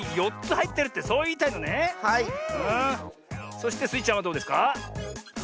そしてスイちゃんはどうですか？